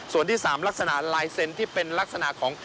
ส่วนที่๓ลักษณะลายเซ็นต์ที่เป็นลักษณะของ